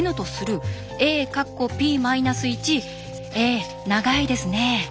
え長いですね。